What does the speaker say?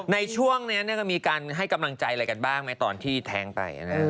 ในช่วงนี้ก็มีการให้กำลังใจอะไรกันบ้างไหมตอนที่แท้งไป